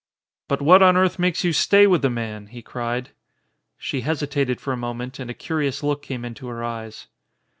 "But what on earth makes you stay with the man?" he cried. She hesitated for a moment and a curious look came into her eyes.